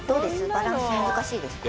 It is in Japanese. バランス難しいですか？